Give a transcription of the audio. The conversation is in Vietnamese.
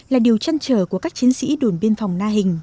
là điều trăn trở của các chiến sĩ đồn biên phòng